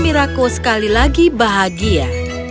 mirakwo sekali lagi bahagia